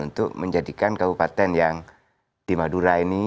untuk menjadikan kabupaten yang di madura ini